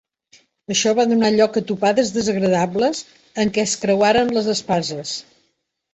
Això va donar lloc a topades desagradables, en què es creuaren les espases.